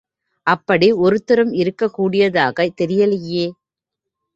அப்படி ஒருத்தரும் இருக்கக்கூடியதாக தெரியலியே!